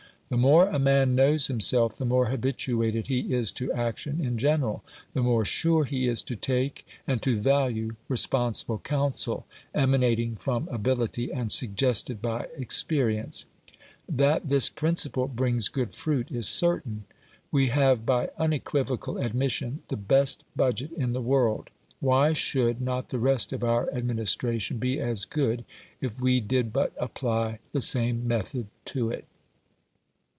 The more a man knows himself, the more habituated he is to action in general, the more sure he is to take and to value responsible counsel emanating from ability and suggested by experience. That this principle brings good fruit is certain. We have, by unequivocal admission, the best budget in the world. Why should not the rest of our administration be as good if we did but apply the same method to it?